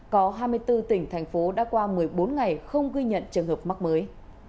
có hai mươi bốn tỉnh thành phố đã qua một mươi bốn ngày không ghi nhận trường hợp mắc mới